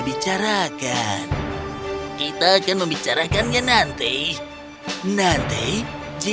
sebagai seorang desa yang mahu good in kegiatan saya sudah tarik pemilu